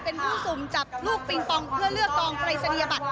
เป็นผู้สุ่มจับลูกปิงปองเพื่อเลือกกองปรายศนียบัตร